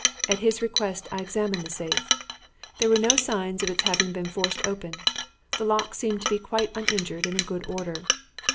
At his request I examined the safe. There were no signs of its having been forced open; the locks seemed to be quite uninjured and in good order.